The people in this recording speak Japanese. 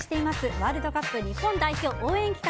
ワールドカップ日本代表応援企画